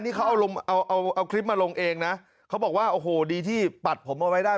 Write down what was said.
นี่เขาเอาลงเอาเอาคลิปมาลงเองนะเขาบอกว่าโอ้โหดีที่ปัดผมเอาไว้ได้